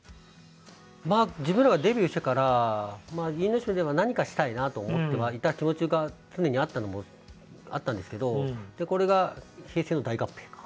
まあ自分らがデビューしてから因島では何かしたいなと思ってはいた気持ちが常にあったんですけどこれが平成の大合併か。